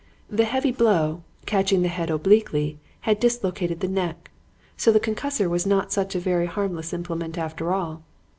The heavy blow, catching the head obliquely, had dislocated the neck. So the concussor was not such a very harmless implement after all.